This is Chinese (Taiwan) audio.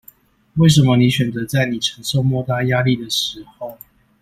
為什麼你選擇在你承受莫大壓力的時候